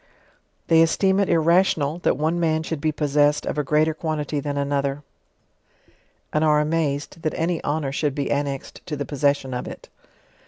They esteem it irrational, that one man should be poss essed of a greater quantity than another, and are amazed that any honour should be annexed to the possession of it.